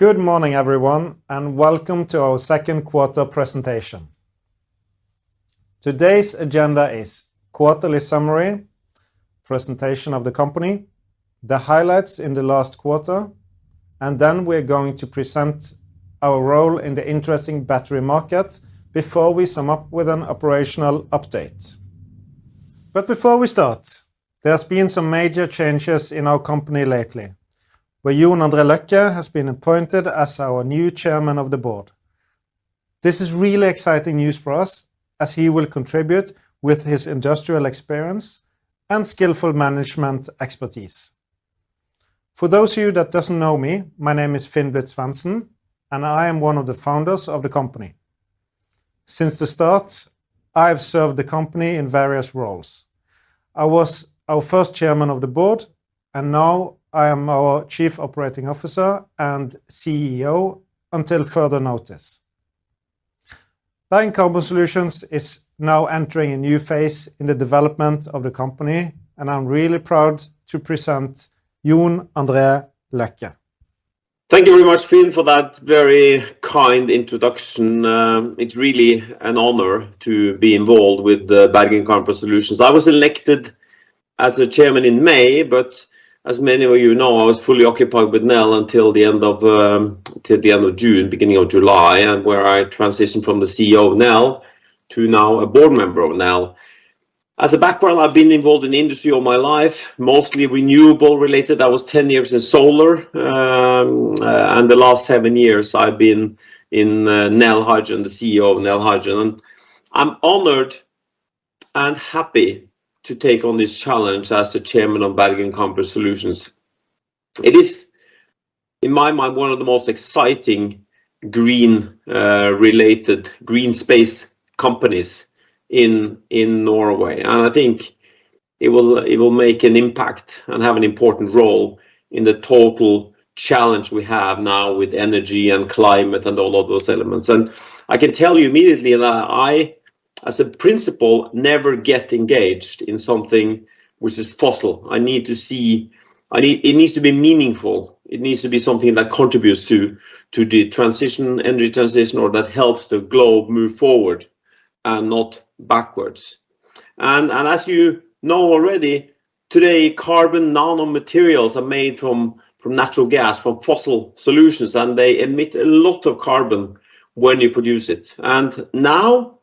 Good morning, everyone, and welcome to our second quarter presentation. Today's agenda is quarterly summary, presentation of the company, the highlights in the last quarter, and then we're going to present our role in the interesting battery market before we sum up with an operational update. Before we start, there has been some major changes in our company lately, where Jon André Løkke has been appointed as our new chairman of the board. This is really exciting news for us, as he will contribute with his industrial experience and skillful management expertise. For those of you that doesn't know me, my name is Finn Blydt-Svendsen, and I am one of the founders of the company. Since the start, I have served the company in various roles. I was our first chairman of the board, and now I am our chief operating officer and CEO until further notice. Bergen Carbon Solutions is now entering a new phase in the development of the company, and I'm really proud to present Jon André Løkke. Thank you very much, Finn, for that very kind introduction. It's really an honor to be involved with the Bergen Carbon Solutions. I was elected as the Chairman in May, but as many of you know, I was fully occupied with Nel Hydrogen until the end of, till the end of June, beginning of July, and where I transitioned from the CEO of Nel Hydrogen to now a board member of Nel Hydrogen. As a background, I've been involved in industry all my life, mostly renewable related. I was 10 years in solar, and the last seven years I've been in Nel Hydrogen, the CEO of Nel Hydrogen. I'm honored and happy to take on this challenge as the Chairman of Bergen Carbon Solutions. It is, in my mind, one of the most exciting green related, green space companies in Norway. I think it will make an impact and have an important role in the total challenge we have now with energy and climate and all of those elements. I can tell you immediately that I, as a principle, never get engaged in something which is fossil. It needs to be meaningful. It needs to be something that contributes to the transition, energy transition, or that helps the globe move forward and not backwards. As you know already, today, carbon nanomaterials are made from natural gas, from fossil solutions, and they emit a lot of carbon when you produce it. Now,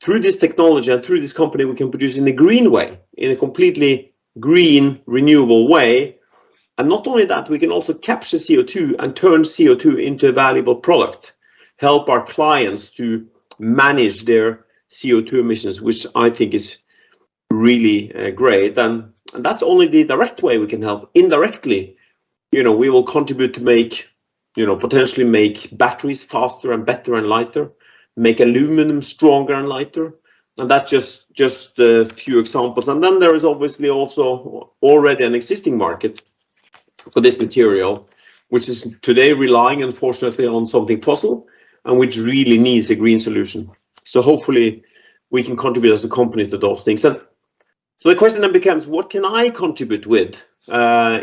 through this technology and through this company, we can produce in a green way, in a completely green, renewable way. Not only that, we can also capture CO2 and turn CO2 into a valuable product, help our clients to manage their CO2 emissions, which I think is really great. That's only the direct way we can help. Indirectly, you know, we will contribute to make, you know, potentially make batteries faster and better and lighter, make aluminum stronger and lighter. That's just a few examples. Then there is obviously also already an existing market for this material, which is today relying, unfortunately, on something fossil and which really needs a green solution. Hopefully we can contribute as a company to those things. The question then becomes, what can I contribute with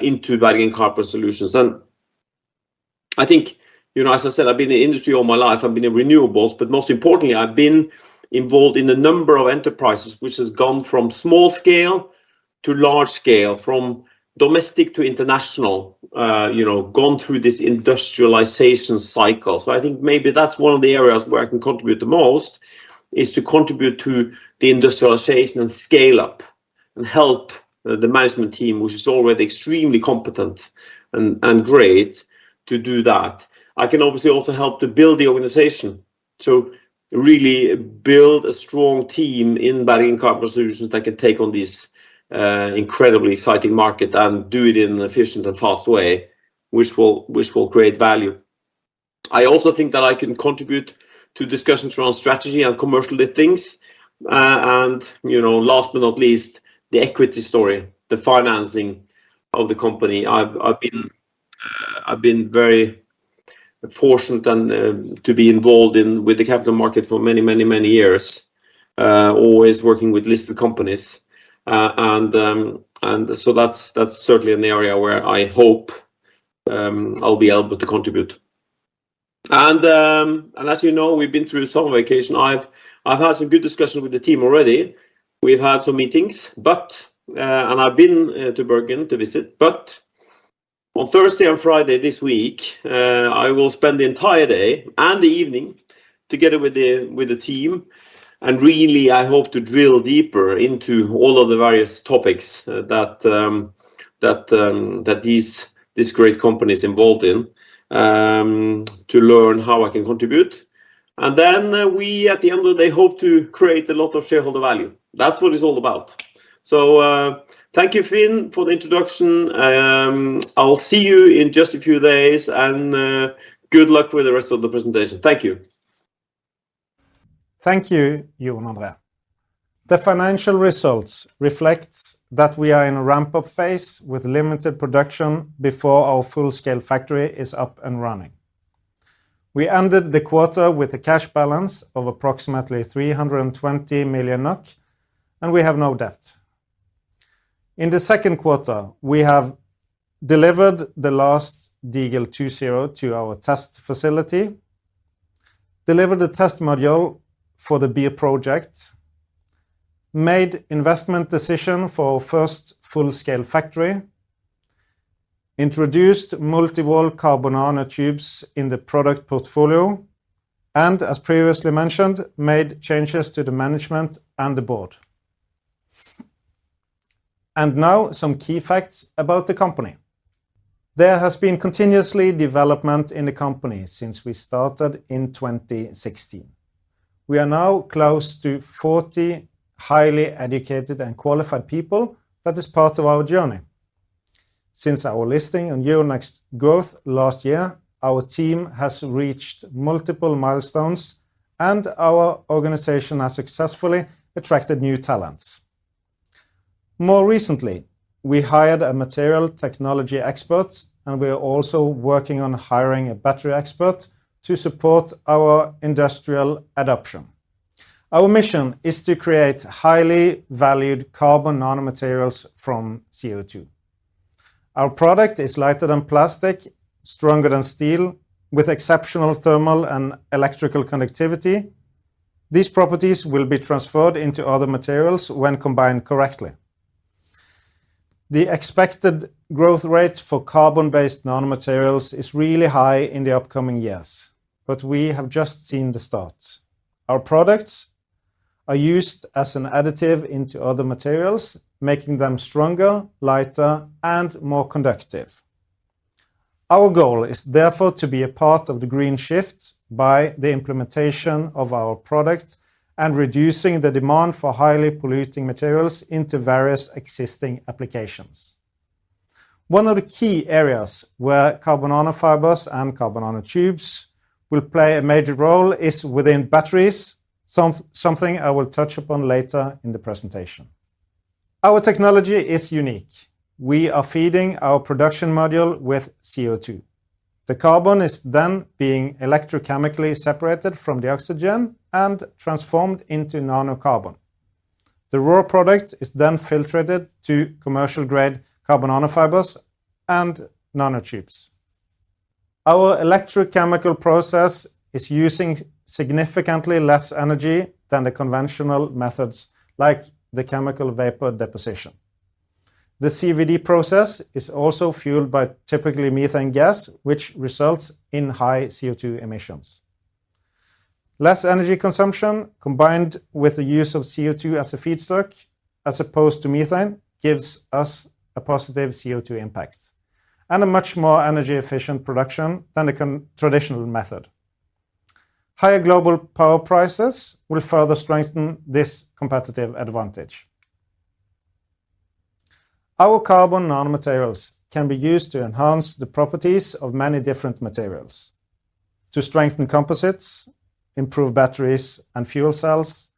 into Bergen Carbon Solutions? I think, you know, as I said, I've been in industry all my life. I've been in renewables. Most importantly, I've been involved in a number of enterprises, which has gone from small scale to large scale, from domestic to international, you know, gone through this industrialization cycle. I think maybe that's one of the areas where I can contribute the most, is to contribute to the industrialization and scale-up and help the management team, which is already extremely competent and great to do that. I can obviously also help to build the organization. Really build a strong team in Bergen Carbon Solutions that can take on this, incredibly exciting market and do it in an efficient and fast way, which will create value. I also think that I can contribute to discussions around strategy and commercially things. And, you know, last but not least, the equity story, the financing of the company. I've been very fortunate and to be involved in with the capital market for many years always working with listed companies. So that's certainly an area where I hope I'll be able to contribute. As you know, we've been through the summer vacation. I've had some good discussions with the team already. We've had some meetings, but and I've been to Bergen to visit. On Thursday and Friday this week I will spend the entire day and the evening together with the team. Really, I hope to drill deeper into all of the various topics that this great company is involved in to learn how I can contribute. We, at the end of the day, hope to create a lot of shareholder value. That's what it's all about. Thank you, Finn, for the introduction. I'll see you in just a few days. Good luck with the rest of the presentation. Thank you. Thank you, Jon André. The financial results reflect that we are in a ramp-up phase with limited production before our full-scale factory is up and running. We ended the quarter with a cash balance of approximately 320 million NOK, and we have no debt. In the second quarter, we have delivered the last Diegel 2.0 to our test facility, delivered a test module for the BIR project, made investment decision for our first full-scale factory, introduced multi-walled carbon nanotubes in the product portfolio, and as previously mentioned, made changes to the management and the board. Now some key facts about the company. There has been continuous development in the company since we started in 2016. We are now close to 40 highly educated and qualified people. That is part of our journey. Since our listing on Euronext Growth last year, our team has reached multiple milestones and our organization has successfully attracted new talents. More recently, we hired a material technology expert, and we are also working on hiring a battery expert to support our industrial adoption. Our mission is to create highly valued carbon nanomaterials from CO2. Our product is lighter than plastic, stronger than steel with exceptional thermal and electrical conductivity. These properties will be transferred into other materials when combined correctly. The expected growth rate for carbon-based nanomaterials is really high in the upcoming years, but we have just seen the start. Our products are used as an additive into other materials, making them stronger, lighter, and more conductive. Our goal is therefore to be a part of the green shift by the implementation of our product and reducing the demand for highly polluting materials into various existing applications. One of the key areas where carbon nanofibers and carbon nanotubes will play a major role is within batteries, something I will touch upon later in the presentation. Our technology is unique. We are feeding our production module with CO2. The carbon is then being electrochemically separated from the oxygen and transformed into nanocarbon. The raw product is then filtered to commercial-grade carbon nanofibers and nanotubes. Our electrochemical process is using significantly less energy than the conventional methods like the chemical vapor deposition. The CVD process is also fueled by typically methane gas, which results in high CO2 emissions. Less energy consumption combined with the use of CO2 as a feedstock as opposed to methane gives us a positive CO2 impact and a much more energy-efficient production than the traditional method. Higher global power prices will further strengthen this competitive advantage. Our carbon nanomaterials can be used to enhance the properties of many different materials to strengthen composites, improve batteries and fuel cells,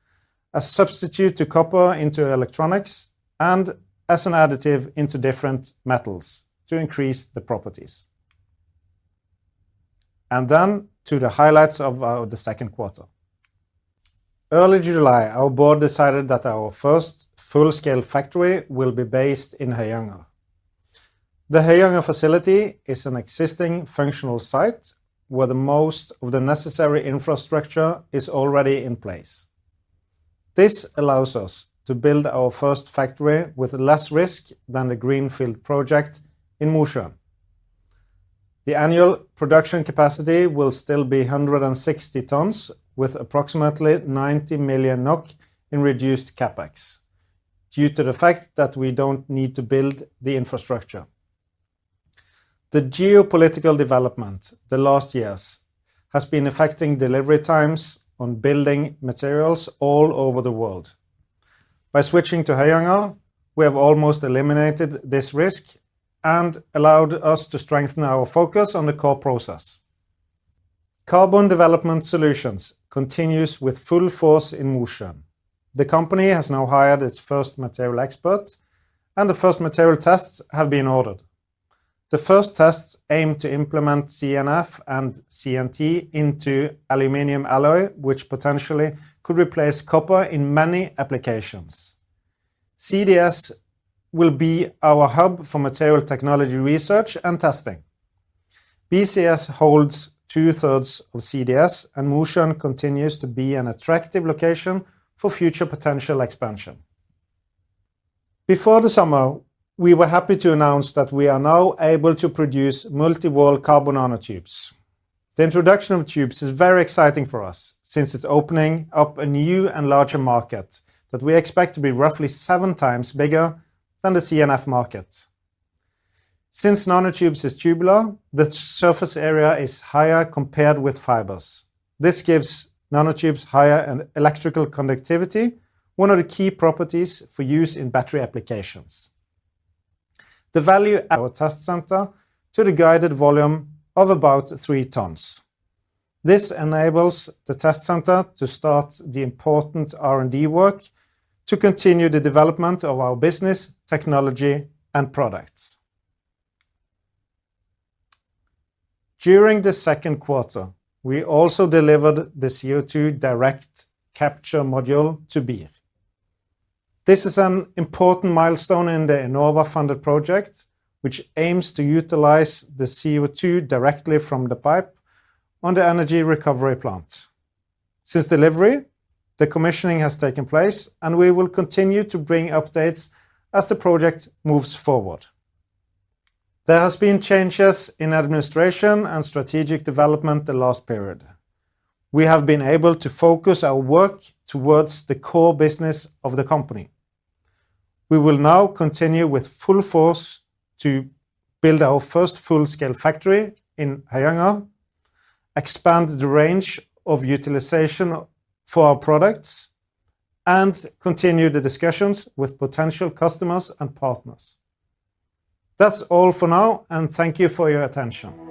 a substitute to copper into electronics, and as an additive into different metals to increase the properties. To the highlights of the second quarter. Early July, our board decided that our first full-scale factory will be based in Høyanger. The Høyanger facility is an existing functional site where the most of the necessary infrastructure is already in place. This allows us to build our first factory with less risk than the greenfield project in Mosjøen. The annual production capacity will still be 160 tons, with approximately 90 million NOK in reduced CapEx due to the fact that we don't need to build the infrastructure. The geopolitical development the last years has been affecting delivery times on building materials all over the world. By switching to Høyanger, we have almost eliminated this risk and allowed us to strengthen our focus on the core process. Carbon Development Solutions continues with full force in Mosjøen. The company has now hired its first material expert and the first material tests have been ordered. The first tests aim to implement CNF and CNT into aluminum alloy, which potentially could replace copper in many applications. CDS will be our hub for material technology research and testing. BCS holds 2/3 of CDS, and Mosjøen continues to be an attractive location for future potential expansion. Before the summer, we were happy to announce that we are now able to produce multi-walled carbon nanotubes. The introduction of tubes is very exciting for us since it's opening up a new and larger market that we expect to be roughly seven times bigger than the CNF market. Since nanotubes is tubular, the surface area is higher compared with fibers. This gives nanotubes higher electrical conductivity, one of the key properties for use in battery applications. We have upscaled our test center to the guided volume of about 3 tons. This enables the test center to start the important R&D work to continue the development of our business, technology, and products. During the second quarter, we also delivered the CO2 direct capture module to BIR. This is an important milestone in the Enova-funded project, which aims to utilize the CO2 directly from the pipe on the energy recovery plant. Since delivery, the commissioning has taken place, and we will continue to bring updates as the project moves forward. There has been changes in administration and strategic development the last period. We have been able to focus our work towards the core business of the company. We will now continue with full force to build our first full-scale factory in Høyanger, expand the range of utilization for our products, and continue the discussions with potential customers and partners. That's all for now and thank you for your attention.